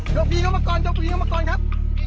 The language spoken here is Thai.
ยกผู้หญิงออกมาก่อนยกผู้หญิงออกมาก่อนครับ